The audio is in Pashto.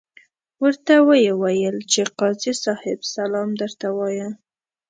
ورته ویې ویل چې قاضي صاحب سلام درته وایه.